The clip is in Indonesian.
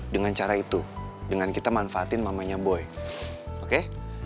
dengan cara itu dengan kita manfaatin namanya boy oke